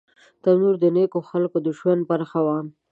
تنور د نیکو خلکو د ژوند برخه وه